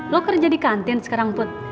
lo kerja di kantin sekarang put